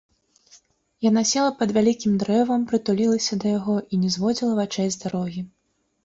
Яна села пад вялікім дрэвам, прытулілася да яго і не зводзіла вачэй з дарогі.